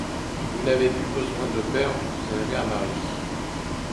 Vous n’avez plus besoin de père, vous avez un mari.